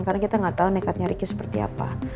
karena kita gak tau nekatnya ricky seperti apa